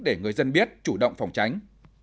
để người dân biết chủ động phòng tránh